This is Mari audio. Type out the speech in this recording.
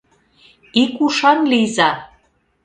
ИК УШАН ЛИЙЗА